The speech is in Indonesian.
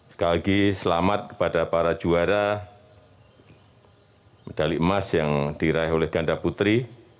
sekali lagi selamat kepada para juara medali emas yang diraih oleh ganda putri